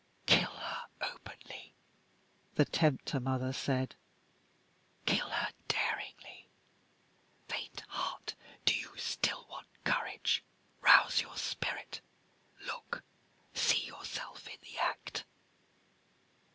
"Kill her openly," the tempter mother said. "Kill her daringly. Faint heart, do you still want courage? Rouse your spirit; look! see yourself in the act!"